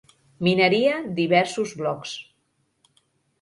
Mineria diversos blocs.